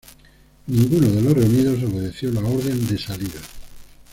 Ninguno de los reunidos obedeció la orden de salida.